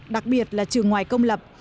đặc biệt là trường ngoài công lập